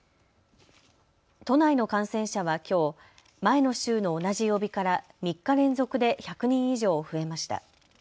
都内の感染者はきょう、前の週の同じ曜日から３日連続で１００人以上増えました。